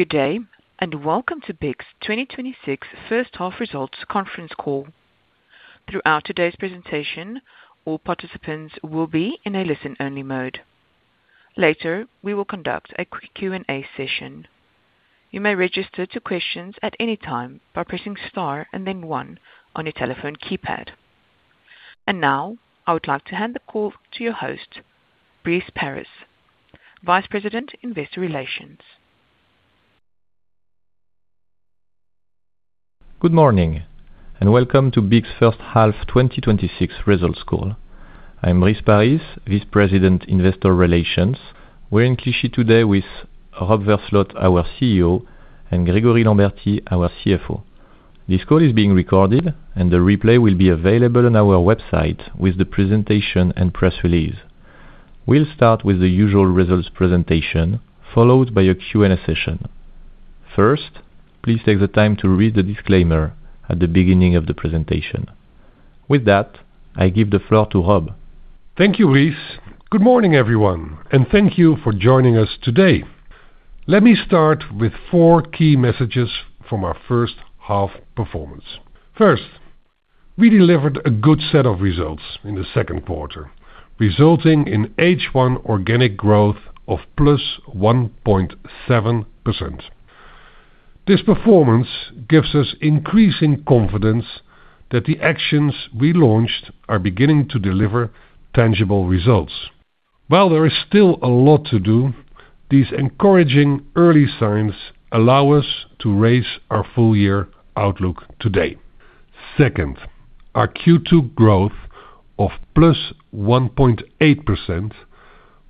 Good day. Welcome to BIC's 2026 first half results conference call. Throughout today's presentation, all participants will be in a listen-only mode. Later, we will conduct a Q&A session. You may register to questions at any time by pressing star and then one on your telephone keypad. Now, I would like to hand the call to your host, Brice Paris, Vice President, Investor Relations. Good morning. Welcome to BIC's first half 2026 results call. I'm Brice Paris, Vice President, Investor Relations. We're in Clichy today with Rob Versloot, our CEO, and Grégory Lambertie, our CFO. This call is being recorded, and the replay will be available on our website with the presentation and press release. We'll start with the usual results presentation, followed by a Q&A session. First, please take the time to read the disclaimer at the beginning of the presentation. With that, I give the floor to Rob. Thank you, Brice. Good morning, everyone. Thank you for joining us today. Let me start with four key messages from our first half performance. First, we delivered a good set of results in the second quarter, resulting in H1 organic growth of +1.7%. This performance gives us increasing confidence that the actions we launched are beginning to deliver tangible results. While there is still a lot to do, these encouraging early signs allow us to raise our full year outlook today. Second, our Q2 growth of +1.8%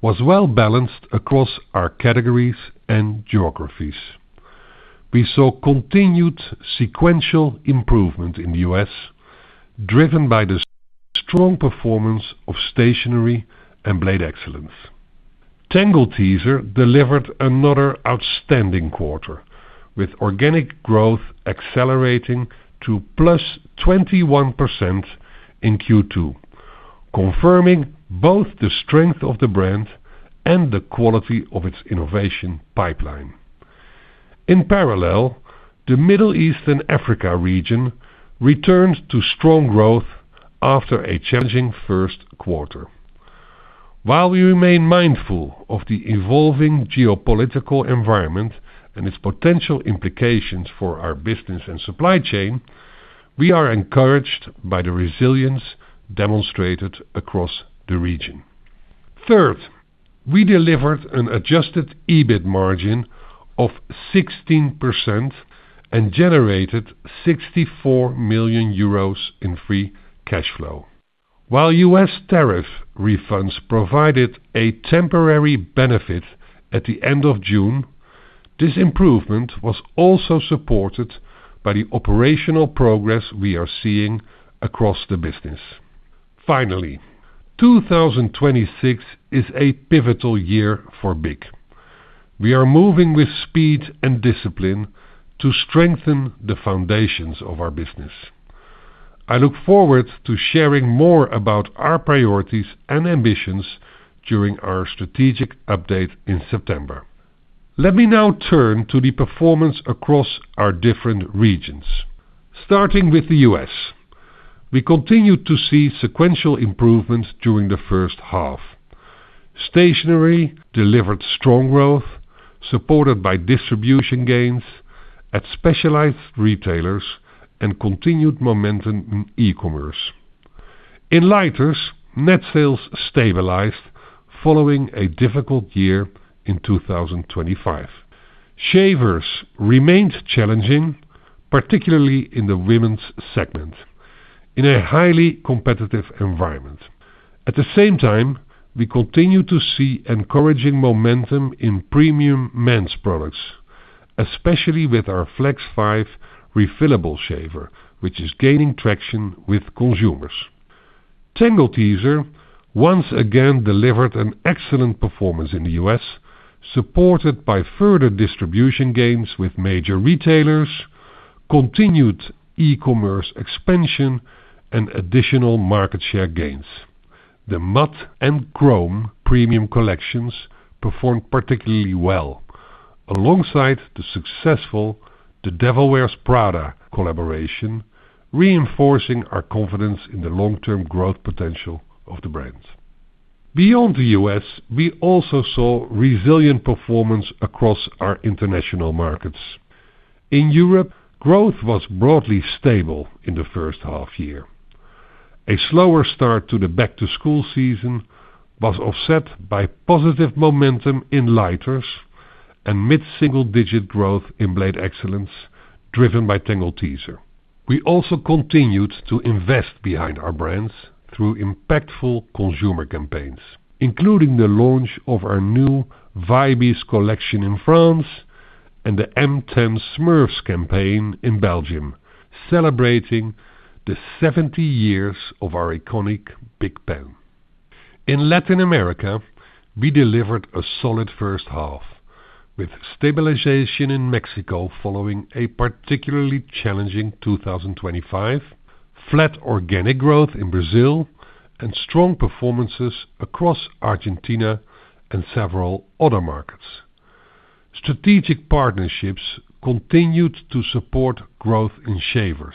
was well-balanced across our categories and geographies. We saw continued sequential improvement in the U.S., driven by the strong performance of Stationery and Blade Excellence. Tangle Teezer delivered another outstanding quarter, with organic growth accelerating to +21% in Q2, confirming both the strength of the brand and the quality of its innovation pipeline. In parallel, the Middle East and Africa region returned to strong growth after a challenging first quarter. While we remain mindful of the evolving geopolitical environment and its potential implications for our business and supply chain, we are encouraged by the resilience demonstrated across the region. Third, we delivered an adjusted EBIT margin of 16% and generated 64 million euros in free cash flow. While U.S. tariff refunds provided a temporary benefit at the end of June, this improvement was also supported by the operational progress we are seeing across the business. Finally, 2026 is a pivotal year for BIC. We are moving with speed and discipline to strengthen the foundations of our business. I look forward to sharing more about our priorities and ambitions during our strategic update in September. Let me now turn to the performance across our different regions. Starting with the U.S., we continued to see sequential improvements during the first half. Stationery delivered strong growth, supported by distribution gains at specialized retailers and continued momentum in e-commerce. In Lighters, net sales stabilized following a difficult year in 2025. Shavers remained challenging, particularly in the women's segment, in a highly competitive environment. At the same time, we continue to see encouraging momentum in premium men's products, especially with our Flex 5 refillable shaver, which is gaining traction with consumers. Tangle Teezer once again delivered an excellent performance in the U.S., supported by further distribution gains with major retailers, continued e-commerce expansion, and additional market share gains. The Matte and Chrome premium collections performed particularly well, alongside the successful The Devil Wears Prada collaboration, reinforcing our confidence in the long-term growth potential of the brand. Beyond the U.S., we also saw resilient performance across our international markets. In Europe, growth was broadly stable in the first half year. A slower start to the back-to-school season was offset by positive momentum in Lighters and mid-single-digit growth in Blade Excellence, driven by Tangle Teezer. We also continued to invest behind our brands through impactful consumer campaigns, including the launch of our new Vibez collection in France and the M10 Smurfs campaign in Belgium, celebrating the 70 years of our iconic BIC pen. In Latin America, we delivered a solid first half, with stabilization in Mexico following a particularly challenging 2025. Flat organic growth in Brazil and strong performances across Argentina and several other markets. Strategic partnerships continued to support growth in shavers,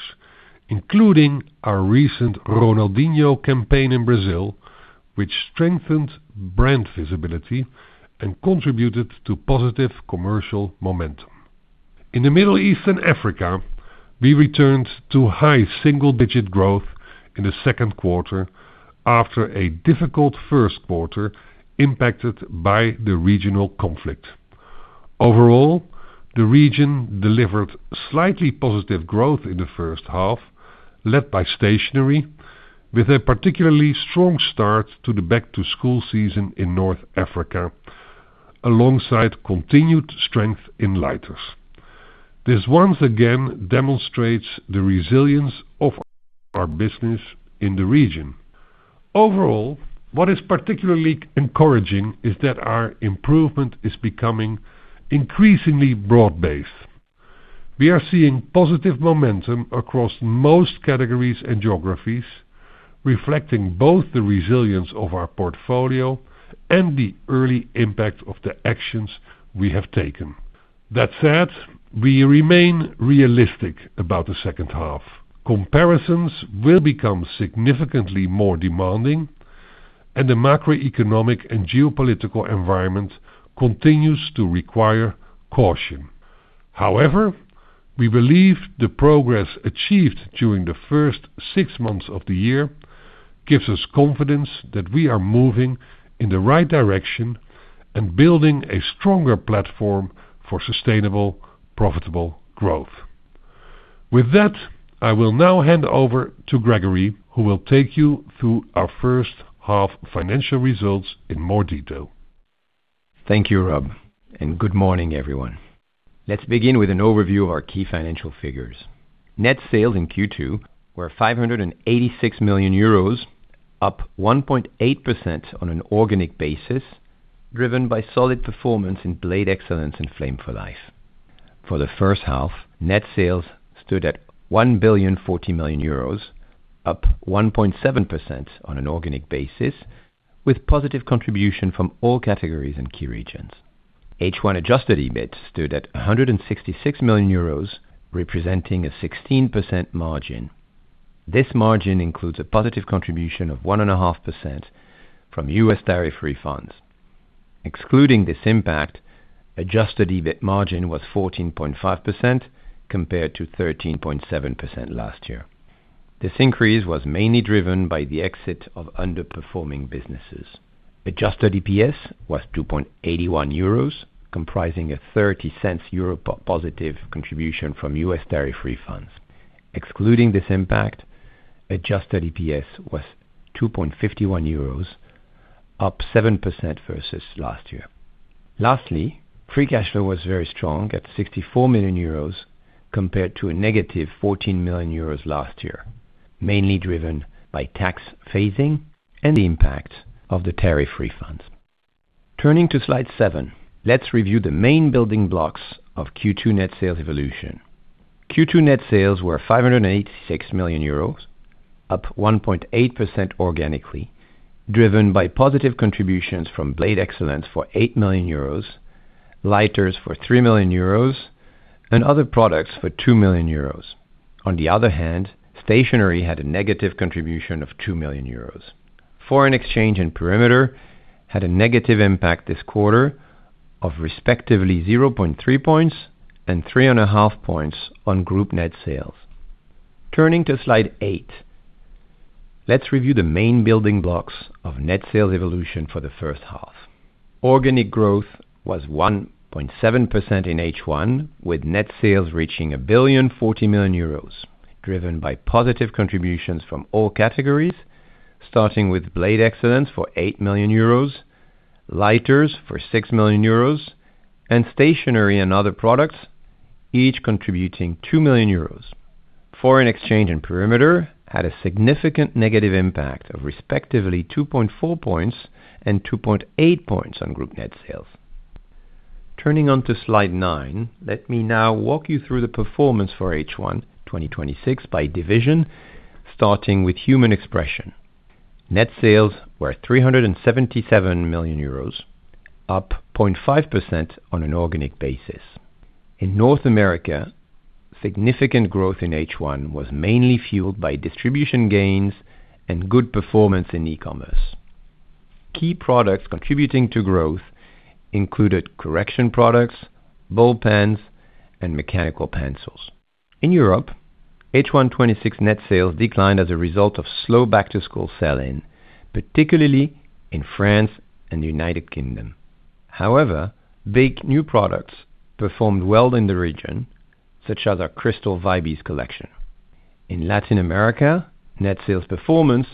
including our recent Ronaldinho campaign in Brazil, which strengthened brand visibility and contributed to positive commercial momentum. In the Middle East and Africa, we returned to high single-digit growth in the second quarter after a difficult first quarter impacted by the regional conflict. Overall, the region delivered slightly positive growth in the first half, led by stationery, with a particularly strong start to the back-to-school season in North Africa, alongside continued strength in lighters. This once again demonstrates the resilience of our business in the region. Overall, what is particularly encouraging is that our improvement is becoming increasingly broad-based. We are seeing positive momentum across most categories and geographies, reflecting both the resilience of our portfolio and the early impact of the actions we have taken. That said, we remain realistic about the second half. Comparisons will become significantly more demanding, and the macroeconomic and geopolitical environment continues to require caution. We believe the progress achieved during the first six months of the year gives us confidence that we are moving in the right direction and building a stronger platform for sustainable, profitable growth. With that, I will now hand over to Grégory, who will take you through our first half financial results in more detail. Thank you, Rob, and good morning, everyone. Let's begin with an overview of our key financial figures. Net sales in Q2 were 586 million euros, up 1.8% on an organic basis, driven by solid performance in Blade Excellence and Flame for Life. For the first half, net sales stood at 1,040 million euros, up 1.7% on an organic basis, with positive contribution from all categories and key regions. H1 adjusted EBIT stood at 166 million euros, representing a 16% margin. This margin includes a positive contribution of 1.5% from U.S. tariff refunds. Excluding this impact, adjusted EBIT margin was 14.5% compared to 13.7% last year. This increase was mainly driven by the exit of underperforming businesses. Adjusted EPS was 2.81 euros, comprising a 0.30 positive contribution from U.S. tariff refunds. Excluding this impact, adjusted EPS was 2.51 euros, up 7% versus last year. Lastly, free cash flow was very strong at 64 million euros compared to -14 million euros last year, mainly driven by tax phasing and the impact of the tariff refunds. Turning to slide seven, let's review the main building blocks of Q2 net sales evolution. Q2 net sales were 586 million euros, up 1.8% organically, driven by positive contributions from Blade Excellence for 8 million euros, lighters for 3 million euros, and other products for 2 million euros. On the other hand, stationery had contribution of -2 million euros. Foreign exchange and perimeter had a negative impact this quarter of respectively 0.3 points and 3.5 points on group net sales. Turning to slide eight, let's review the main building blocks of net sales evolution for the first half. Organic growth was 1.7% in H1, with net sales reaching 1,040 million euros, driven by positive contributions from all categories, starting with Blade Excellence for 8 million euros, lighters for 6 million euros, and stationery and other products each contributing 2 million euros. Foreign exchange and perimeter had a significant negative impact of respectively 2.4 points and 2.8 points on group net sales. Turning on to slide nine, let me now walk you through the performance for H1 2026 by division, starting with Human Expression. Net sales were 377 million euros, up 0.5% on an organic basis. In North America, significant growth in H1 was mainly fueled by distribution gains and good performance in e-commerce. Key products contributing to growth included correction products, ball pens, and mechanical pencils. In Europe, H1 2026 net sales declined as a result of slow back-to-school sell-in, particularly in France and the U.K. However, BIC new products performed well in the region, such as our Cristal Vibez collection. In Latin America, net sales performance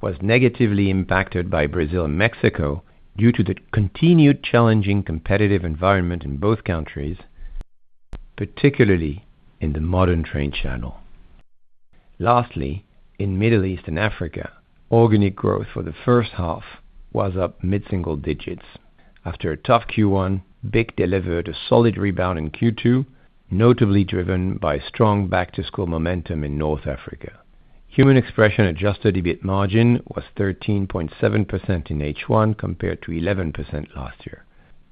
was negatively impacted by Brazil and Mexico due to the continued challenging competitive environment in both countries, particularly in the modern trade channel. Lastly, in Middle East and Africa, organic growth for the first half was up mid-single digits. After a tough Q1, BIC delivered a solid rebound in Q2, notably driven by strong back-to-school momentum in North Africa. Human Expression adjusted EBIT margin was 13.7% in H1 compared to 11% last year.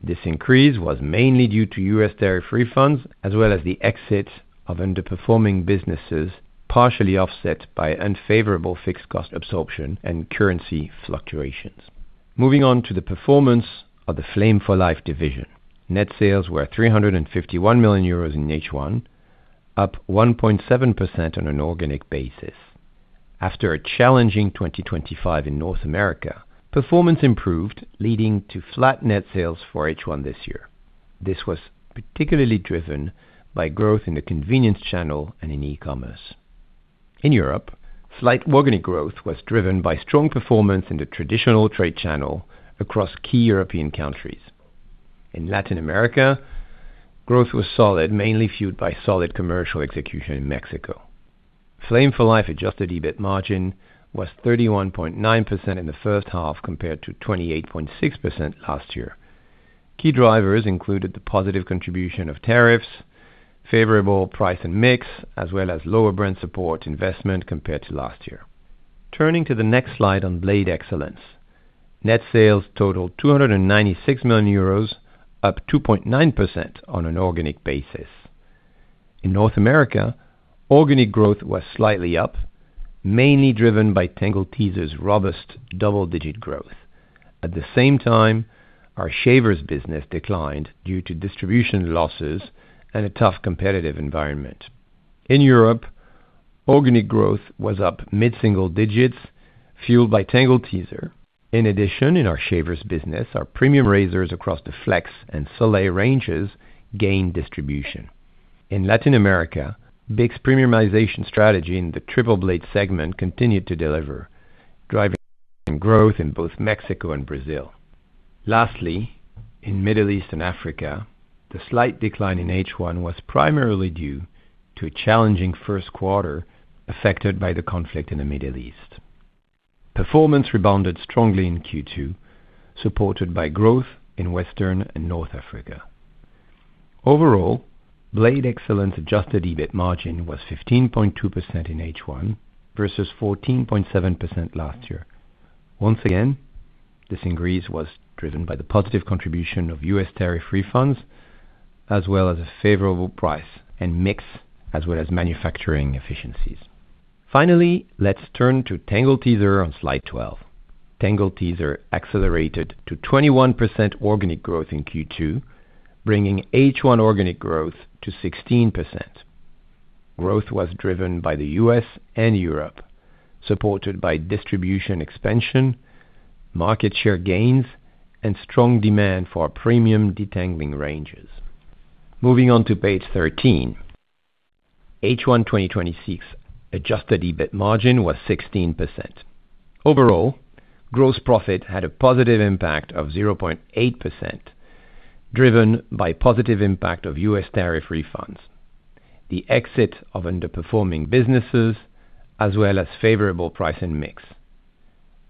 This increase was mainly due to U.S. tariff refunds, as well as the exit of underperforming businesses, partially offset by unfavorable fixed cost absorption and currency fluctuations. Moving on to the performance of the Flame for Life division. Net sales were 351 million euros in H1, up 1.7% on an organic basis. After a challenging 2025 in North America, performance improved, leading to flat net sales for H1 this year. This was particularly driven by growth in the convenience channel and in e-commerce. In Europe, slight organic growth was driven by strong performance in the traditional trade channel across key European countries. In Latin America, growth was solid, mainly fueled by solid commercial execution in Mexico. Flame for Life adjusted EBIT margin was 31.9% in the first half compared to 28.6% last year. Key drivers included the positive contribution of tariffs, favorable price and mix, as well as lower brand support investment compared to last year. Turning to the next slide on Blade Excellence. Net sales totaled 296 million euros, up 2.9% on an organic basis. In North America, organic growth was slightly up, mainly driven by Tangle Teezer's robust double-digit growth. At the same time, our shavers business declined due to distribution losses and a tough competitive environment. In Europe, organic growth was up mid-single digits, fueled by Tangle Teezer. In addition, in our shavers business, our premium razors across the Flex and Soleil ranges gained distribution. In Latin America, BIC's premiumization strategy in the triple blade segment continued to deliver, driving growth in both Mexico and Brazil. Lastly, in Middle East and Africa, the slight decline in H1 was primarily due to a challenging first quarter affected by the conflict in the Middle East. Performance rebounded strongly in Q2, supported by growth in Western and North Africa. Overall, Blade Excellence adjusted EBIT margin was 15.2% in H1 versus 14.7% last year. Once again, this increase was driven by the positive contribution of U.S. tariff refunds, as well as a favorable price and mix, as well as manufacturing efficiencies. Finally, let's turn to Tangle Teezer on slide 12. Tangle Teezer accelerated to 21% organic growth in Q2, bringing H1 organic growth to 16%. Growth was driven by the U.S. and Europe, supported by distribution expansion, market share gains, and strong demand for our premium detangling ranges. Moving on to page 13. H1 2026 adjusted EBIT margin was 16%. Overall, gross profit had a positive impact of 0.8%, driven by positive impact of U.S. tariff refunds, the exit of underperforming businesses, as well as favorable price and mix.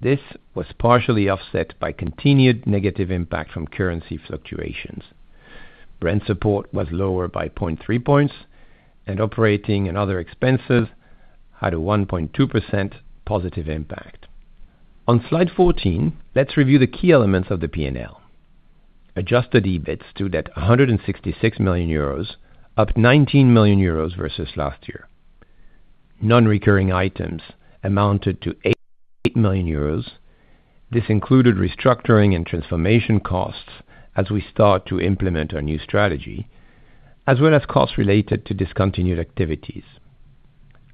This was partially offset by continued negative impact from currency fluctuations. Brand support was lower by 0.3 points, and operating and other expenses had a 1.2% positive impact. On slide 14, let's review the key elements of the P&L. Adjusted EBIT stood at 166 million euros, up 19 million euros versus last year. Non-recurring items amounted to 8 million euros. This included restructuring and transformation costs as we start to implement our new strategy, as well as costs related to discontinued activities.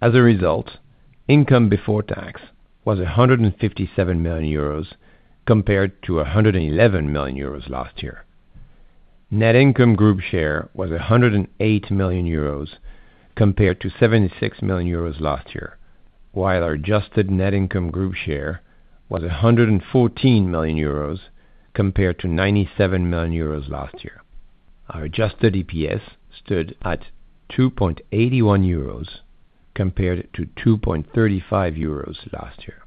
As a result, income before tax was 157 million euros compared to 111 million euros last year. Net income group share was 108 million euros compared to 76 million euros last year, while our adjusted net income group share was 114 million euros compared to 97 million euros last year. Our adjusted EPS stood at 2.81 euros compared to 2.35 euros last year.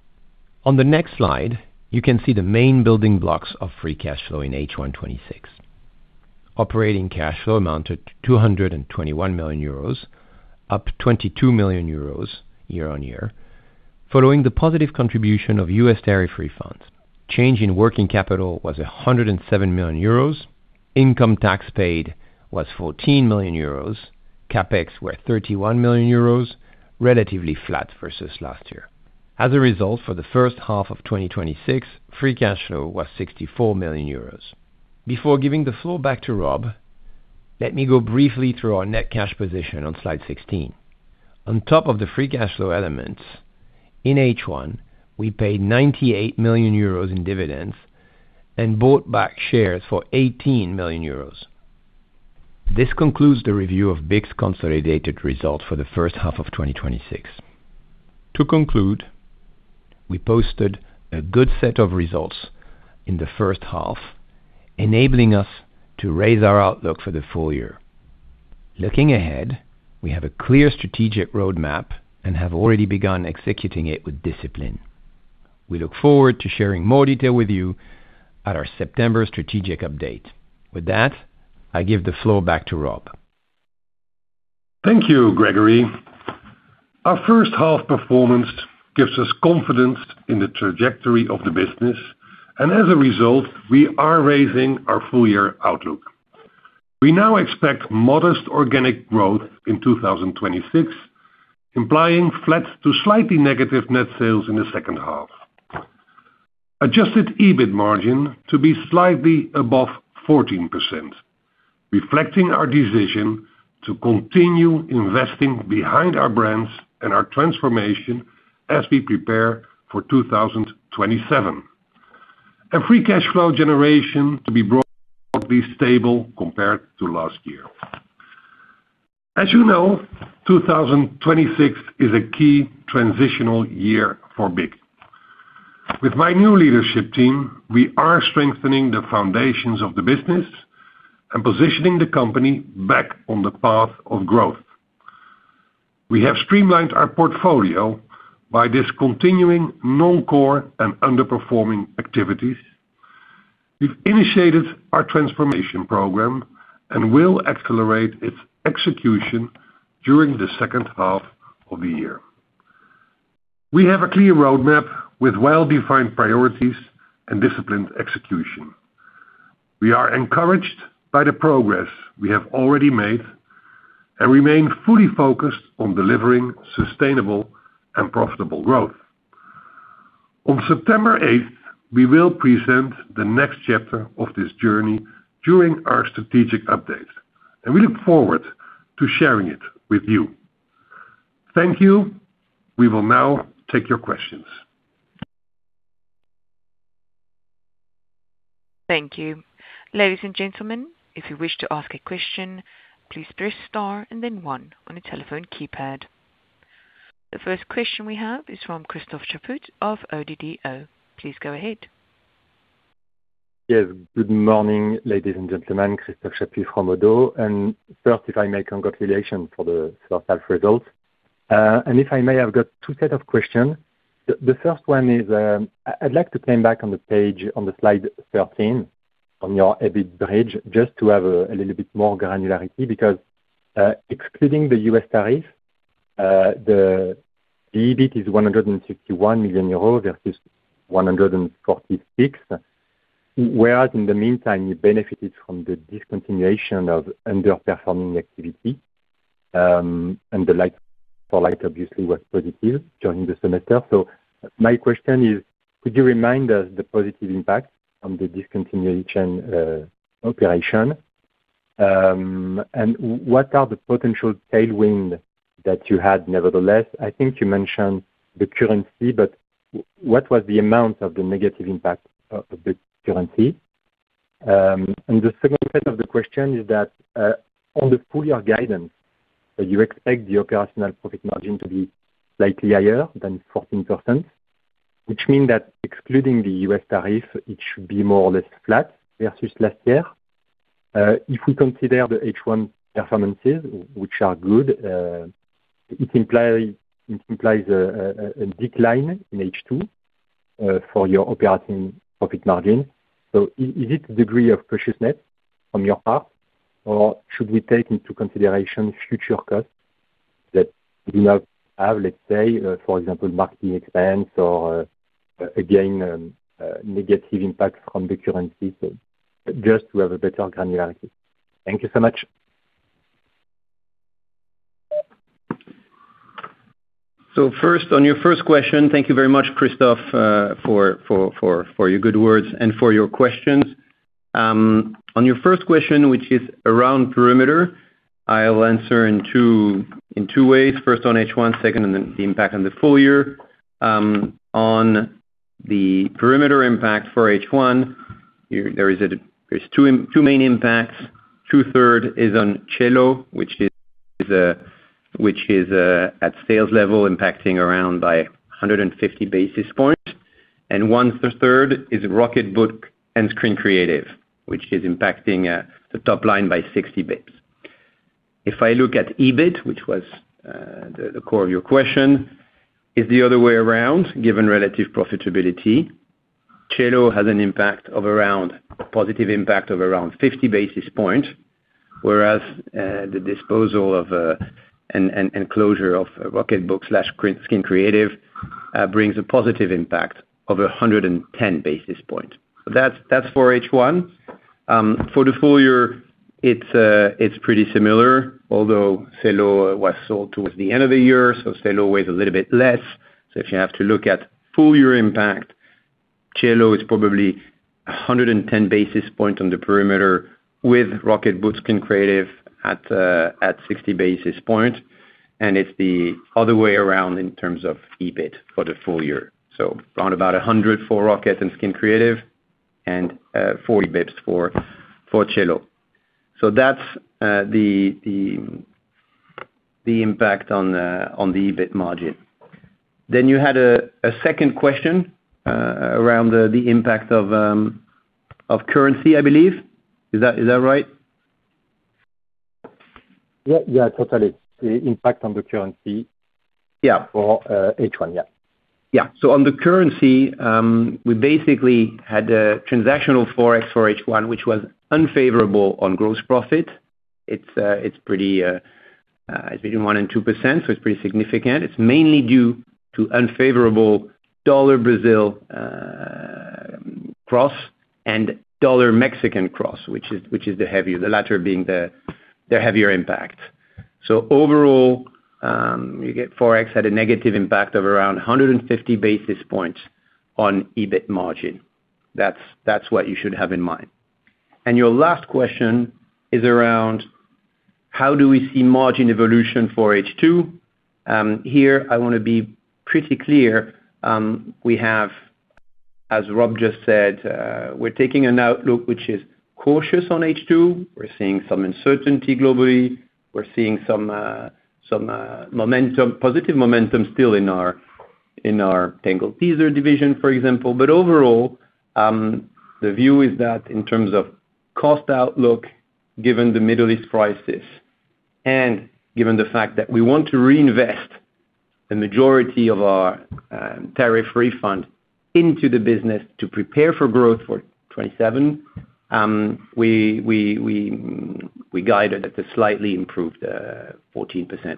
On the next slide, you can see the main building blocks of free cash flow in H1 2026. Operating cash flow amounted to 221 million euros, up 22 million euros year-on-year, following the positive contribution of U.S. tariff refunds. Change in working capital was 107 million euros. Income tax paid was 14 million euros. CapEx were 31 million euros, relatively flat versus last year. As a result, for the first half of 2026, free cash flow was 64 million euros. Before giving the floor back to Rob, let me go briefly through our net cash position on slide 16. On top of the free cash flow elements, in H1, we paid 98 million euros in dividends and bought back shares for 18 million euros. This concludes the review of BIC's consolidated result for the first half of 2026. To conclude, we posted a good set of results in the first half, enabling us to raise our outlook for the full year. Looking ahead, we have a clear strategic roadmap and have already begun executing it with discipline. We look forward to sharing more detail with you at our September strategic update. With that, I give the floor back to Rob. Thank you, Grégory. Our first half performance gives us confidence in the trajectory of the business. As a result, we are raising our full-year outlook. We now expect modest organic growth in 2026, implying flat to slightly negative net sales in the second half. Adjusted EBIT margin to be slightly above 14%, reflecting our decision to continue investing behind our brands and our transformation as we prepare for 2027. Free cash flow generation to be broadly stable compared to last year. As you know, 2026 is a key transitional year for BIC. With my new leadership team, we are strengthening the foundations of the business and positioning the company back on the path of growth. We have streamlined our portfolio by discontinuing non-core and underperforming activities. We've initiated our transformation program and will accelerate its execution during the second half of the year. We have a clear roadmap with well-defined priorities and disciplined execution. We are encouraged by the progress we have already made and remain fully focused on delivering sustainable and profitable growth. On September 8th, we will present the next chapter of this journey during our strategic update. We look forward to sharing it with you. Thank you. We will now take your questions. Thank you. Ladies and gentlemen, if you wish to ask a question, please press star and then one on your telephone keypad. The first question we have is from Christophe Chaput of ODDO. Please go ahead. Yes. Good morning, ladies and gentlemen. Christophe Chaput from ODDO. First, if I may, congratulations for the first half results. If I may, I have got two sets of questions. The first one is, I would like to come back on the page, on the slide 13 on your EBIT bridge, just to have a little bit more granularity, because excluding the U.S. tariff, the EBIT is 161 million euro versus 146 million. Whereas in the meantime, you benefited from the discontinuation of underperforming activity, and the light obviously was positive during the semester. My question is, could you remind us the positive impact on the discontinuation operation? What are the potential tailwind that you had, nevertheless? I think you mentioned the currency, but what was the amount of the negative impact of the currency? The second set of the question is that, on the full year guidance, you expect the operational profit margin to be slightly higher than 14%, which means that excluding the U.S. tariff, it should be more or less flat versus last year. If we consider the H1 performances, which are good, it implies a decline in H2 for your operating profit margin. Is it a degree of prudence on your part, or should we take into consideration future cuts that you have, let's say, for example, marketing expense or again, negative impact from the currency? Just to have a better granularity. Thank you so much. First, on your first question, thank you very much, Christophe for your good words and for your questions. On your first question, which is around perimeter, I will answer in two ways. First on H1, second on the impact on the full year. On the perimeter impact for H1, there are two main impacts. Two-thirds is on Cello, which is at sales level impacting around by 150 basis points, and one-third is Rocketbook and Skin Creative, which is impacting the top line by 60 basis points. If I look at EBIT, which was the core of your question, is the other way around, given relative profitability. Cello has a positive impact of around 50 basis points, whereas the disposal and closure of Rocketbook/Skin Creative brings a positive impact of 110 basis points. That is for H1. For the full year, it's pretty similar, although Cello was sold towards the end of the year, Cello weighs a little bit less. If you have to look at full year impact, Cello is probably 110 basis points on the perimeter with Rocketbook, Skin Creative at 60 basis points, and it's the other way around in terms of EBIT for the full year. Around about 100 for Rocket and Skin Creative and 40 basis points for Cello. That's the impact on the EBIT margin. You had a second question around the impact of currency, I believe. Is that right? Yeah, totally. The impact on the currency for H1. Yeah. On the currency, we basically had a transactional ForEx for H1, which was unfavorable on gross profit. It's between 1%-2%, so it's pretty significant. It's mainly due to unfavorable dollar-Brazil cross and dollar-Mexican cross, which is the heavier, the latter being the heavier impact. Overall, you get ForEx had a negative impact of around 150 basis points on EBIT margin. That's what you should have in mind. Your last question is around how do we see margin evolution for H2? Here, I want to be pretty clear. We have, as Rob just said, we're taking an outlook which is cautious on H2. We're seeing some uncertainty globally. We're seeing some positive momentum still in our Tangle Teezer division, for example. Overall, the view is that in terms of cost outlook, given the Middle East crisis, and given the fact that we want to reinvest the majority of our tariff refund into the business to prepare for growth for 2027, we guided at a slightly improved 14%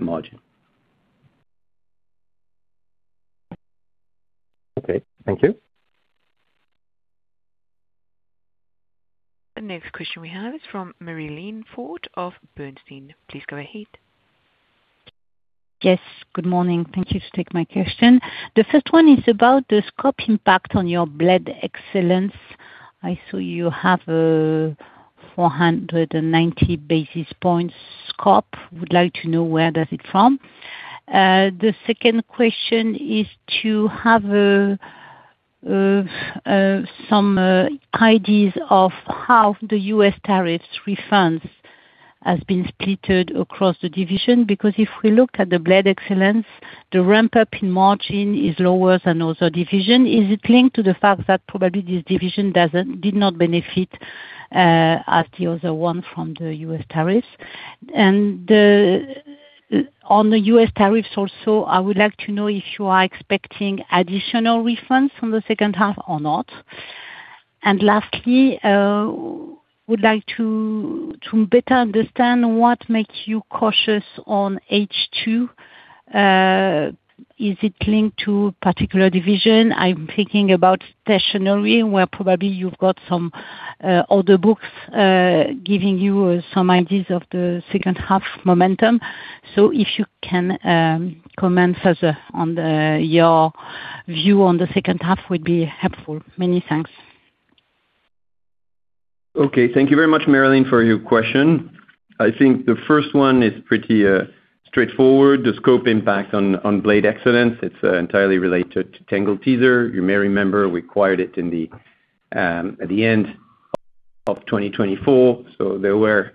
margin. Okay. Thank you. The next question we have is from Marie-Line Fort of Bernstein. Please go ahead. Yes. Good morning. Thank you to take my question. The first one is about the scope impact on your Blade Excellence. I saw you have a 490 basis points scope. Would like to know where does it from. The second question is to have some ideas of how the U.S. tariffs refunds has been splitted across the division, because if we look at the Blade Excellence, the ramp-up in margin is lower than other division. Is it linked to the fact that probably this division did not benefit as the other one from the U.S. tariffs? And on the U.S. tariffs also, I would like to know if you are expecting additional refunds from the second half or not. And lastly, would like to better understand what makes you cautious on H2. Is it linked to particular division? I'm thinking about Stationery, where probably you've got some older books, giving you some ideas of the second half momentum. If you can comment further on your view on the second half would be helpful. Many thanks. Okay. Thank you very much, Marie-Line, for your question. I think the first one is pretty straightforward. The scope impact on Blade Excellence, it's entirely related to Tangle Teezer. You may remember we acquired it at the end of 2024. There were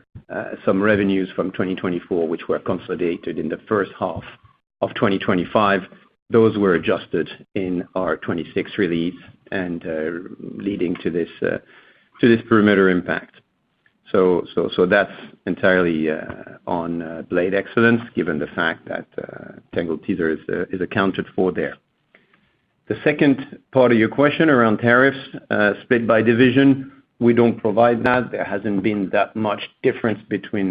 some revenues from 2024, which were consolidated in the first half of 2025. Those were adjusted in our 2026 release and leading to this perimeter impact. That's entirely on Blade Excellence, given the fact that Tangle Teezer is accounted for there. The second part of your question around tariffs split by division, we don't provide that. There hasn't been that much difference between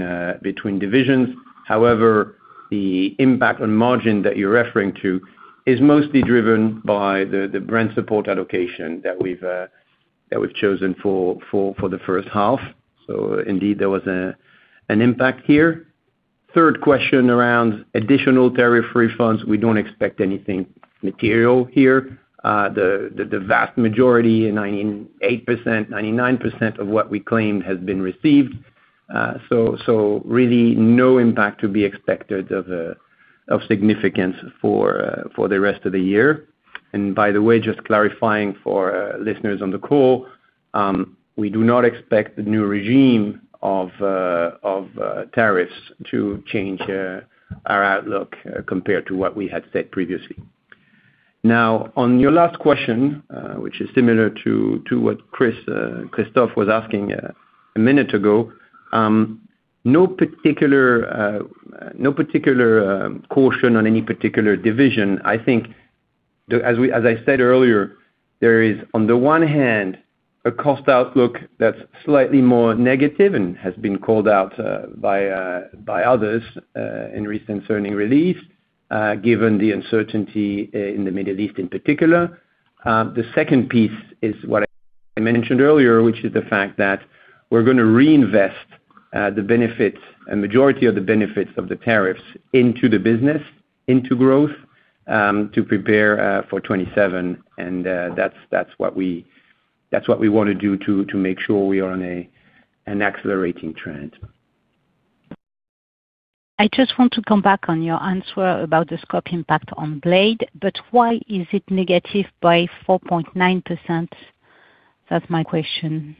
divisions. However, the impact on margin that you're referring to is mostly driven by the brand support allocation that we've chosen for the first half. Indeed, there was an impact here. Third question around additional tariff refunds. We don't expect anything material here. The vast majority, 98%, 99% of what we claimed has been received. Really no impact to be expected of significance for the rest of the year. By the way, just clarifying for listeners on the call, we do not expect the new regime of tariffs to change our outlook compared to what we had said previously. On your last question, which is similar to what Christophe was asking a minute ago. No particular caution on any particular division. I think, as I said earlier, there is, on the one hand, a cost outlook that's slightly more negative and has been called out by others in recent earning release, given the uncertainty in the Middle East in particular. The second piece is what I mentioned earlier, which is the fact that we're going to reinvest a majority of the benefits of the tariffs into the business, into growth, to prepare for 2027. That's what we want to do to make sure we are on an accelerating trend. I just want to come back on your answer about the scope impact on Blade. Why is it negative by 4.9%? That's my question.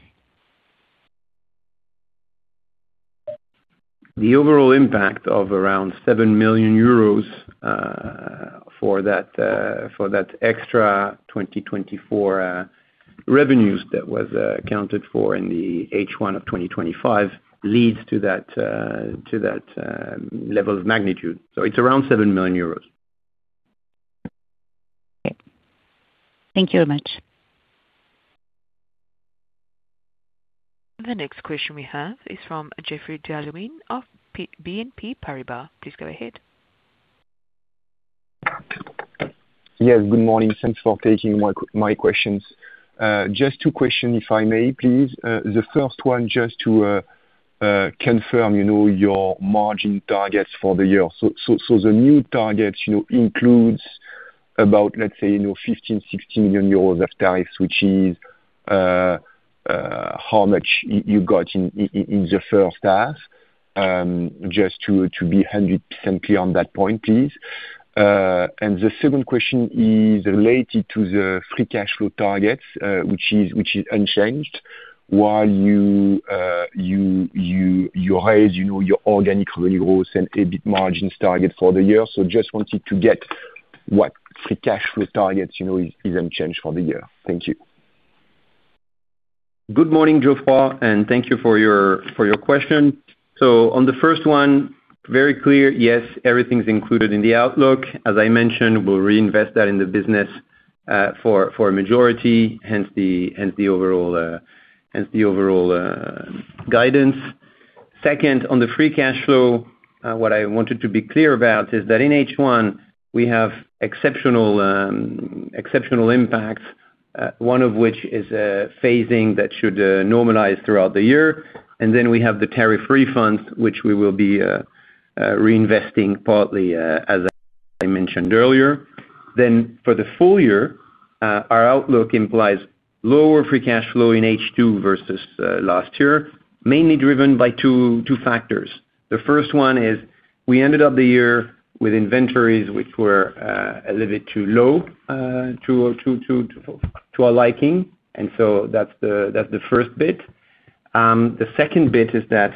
The overall impact of around 7 million euros for that extra 2024 revenues that was accounted for in the H1 of 2025 leads to that level of magnitude. It's around 7 million euros. Okay. Thank you very much. The next question we have is from Geoffrey d'Halluin of BNP Paribas. Please go ahead. Yes, good morning. Thanks for taking my questions. Just two questions, if I may, please. The first one, just to confirm your margin targets for the year. The new targets include about, let's say, 15 million-16 million euros of tariffs, which is how much you got in the first half? Just to be 100% clear on that point, please. The second question is related to the free cash flow target, which is unchanged while you raise your organic revenue growth and EBIT margin target for the year. I just wanted to get what free cash flow target is unchanged for the year. Thank you. Good morning, Geoffrey, thank you for your question. On the first one, very clear, yes, everything's included in the outlook. As I mentioned, we'll reinvest that in the business, for a majority, hence the overall guidance. Second, on the free cash flow, what I wanted to be clear about is that in H1, we have exceptional impacts, one of which is a phasing that should normalize throughout the year. We have the tariff refunds, which we will be reinvesting partly as I mentioned earlier. For the full year, our outlook implies lower free cash flow in H2 versus last year, mainly driven by two factors. The first one is we ended up the year with inventories, which were a little bit too low to our liking. That's the first bit. The second bit is that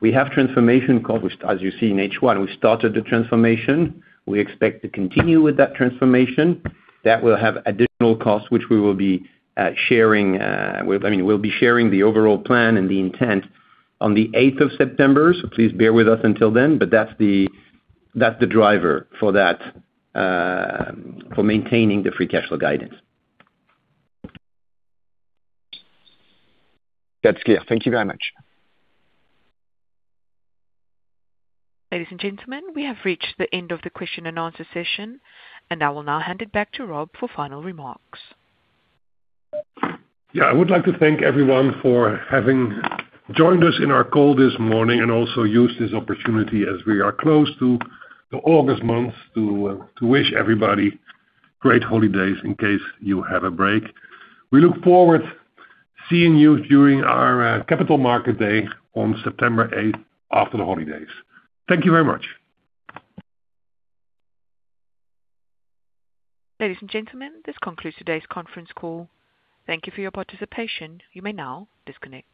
we have transformation costs, as you see in H1. We started the transformation. We expect to continue with that transformation. That will have additional costs, which we will be sharing the overall plan and the intent on the 8th of September. Please bear with us until then. That's the driver for maintaining the free cash flow guidance. That's clear. Thank you very much. Ladies and gentlemen, we have reached the end of the question-and-answer session, and I will now hand it back to Rob for final remarks. I would like to thank everyone for having joined us in our call this morning, and also use this opportunity as we are close to August month to wish everybody great holidays in case you have a break. We look forward seeing you during our Capital Market Day on September 8th after the holidays. Thank you very much. Ladies and gentlemen, this concludes today's conference call. Thank you for your participation. You may now disconnect.